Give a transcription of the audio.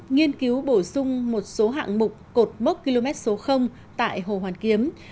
nghiên cứu bổ sung một số hạng mục cột mốc km số tại hồ hoàn kiếm